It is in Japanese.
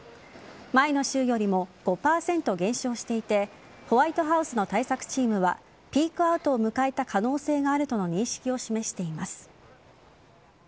前の週よりも５％減少していてホワイトハウスの対策チームはピークアウトを迎えた可能性があるとの認識を示しています。